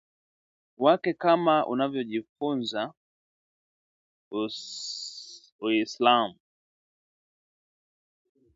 wake, kama unavyofunza Uislamu